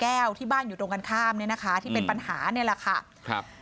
ที่บ้านอยู่ตรงกันข้ามเนี่ยนะคะที่เป็นปัญหาเนี่ยแหละค่ะครับ